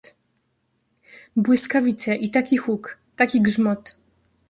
"Błyskawice i taki huk, taki grzmot."